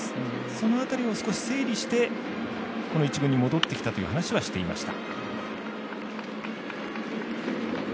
その辺りを少し整理してこの一軍に戻ってきたという話はしていました。